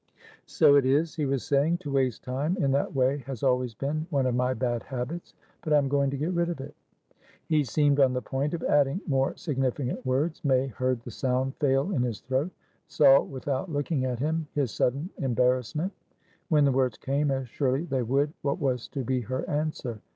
"So it is," he was saying. "To waste time in that way has always been one of my bad habits. But I am going to get rid of it." He seemed on the point of adding more significant words. May heard the sound fail in his throat; saw without looking at himhis sudden embarrassment. When the words came, as surely they would, what was to be her answer?